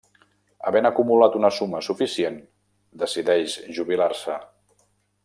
Havent acumulat una suma suficient, decideix jubilar-se.